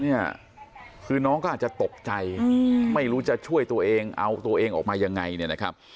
เนี่ยคือน้องก็อาจจะตกใจไม่รู้จะช่วยตัวเองเอาตัวเองออกมายังไงเนี่ยนะครับ